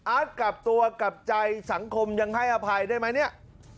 กลับตัวกลับใจสังคมยังให้อภัยได้ไหมเนี่ย